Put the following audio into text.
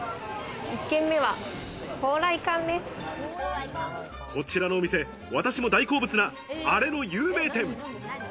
１軒目は、こちらのお店、私も大好物なアレの有名店。